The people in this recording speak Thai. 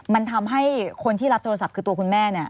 มันทำให้คนที่รับโทรศัพท์คือตัวคุณแม่เนี่ย